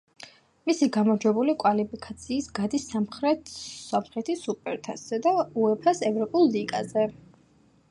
მისი გამარჯვებული კვალიფიკაციას გადის სომხეთის სუპერთასზე და უეფა-ს ევროპა ლიგაზე.